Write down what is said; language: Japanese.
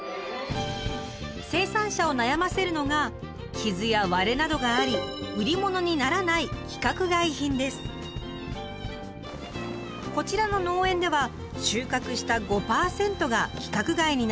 生産者を悩ませるのが傷や割れなどがあり売り物にならないこちらの農園では収穫した５％が規格外になるといいます。